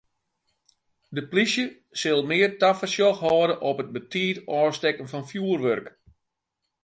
De polysje sil mear tafersjoch hâlde op it te betiid ôfstekken fan fjurwurk.